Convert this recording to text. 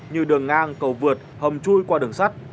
như đường ngang cầu vượt hầm chui qua đường sắt